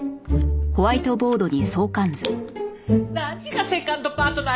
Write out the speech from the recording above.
何がセカンドパートナーよ。